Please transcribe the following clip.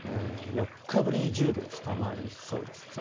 ４日ぶりに１０度を下回りそうです。